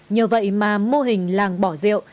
nhờ vậy mà mô hình làng bỏ rượu